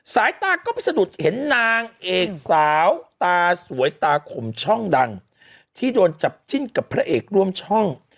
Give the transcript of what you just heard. สายตาก็ไปสะดุดเห็นนางเอกสาวตาสวยตาข่มช่องดังที่โดนจับจิ้นกับพระเอกร่วมช่อง